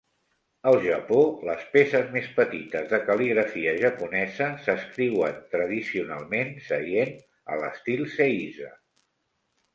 Al Japó, les peces més petites de cal·ligrafia japonesa s'escriuen tradicionalment seient a l'estil seiza.